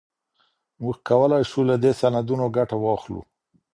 موږ کولای سو له دې سندونو ګټه واخلو.